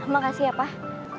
makasih ya pak